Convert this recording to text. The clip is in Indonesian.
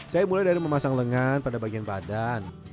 saya mulai dari memasang lengan pada bagian badan